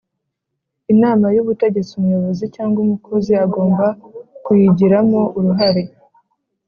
inama y ubutegetsi umuyobozi cyangwa umukozi agomba kuyigiramo uruhare